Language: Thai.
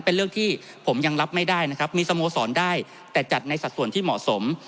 เป็นเรื่องที่ผมยังรับไม่ได้นะครับมีสโมสรได้แต่จัดในสัดส่วนที่เหมาะสม